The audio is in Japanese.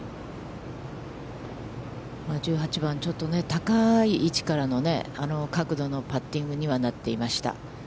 １８番ちょっとね、高い位置からの角度のパッティングにはなっていました。